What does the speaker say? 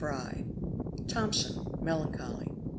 Tomson. Melancholy.